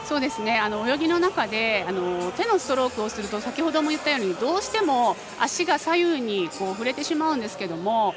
泳ぎの中で手のストロークをするとどうしても、足が左右に振れてしまうんですけど。